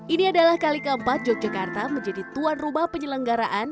ini adalah kali keempat yogyakarta menjadi tuan rumah penyelenggaraan